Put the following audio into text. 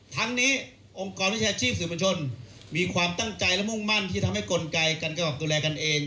ทั้งนี้องค์กรวิชาชีพสื่อบัญชนมีความตั้งใจและมุ่งมั่นที่ทำให้กลไกการกำกับดูแลกันเอง